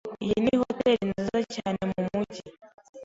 Iyi ni hoteri nziza cyane mumujyi.